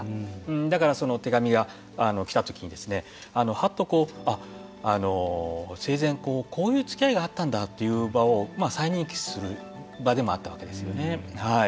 だから、手紙が来たときにはっと生前こういうつきあいがあったんだという場を再認識する場でもあったわけですよね。